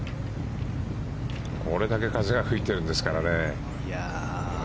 これだけ風が吹いているんですからね。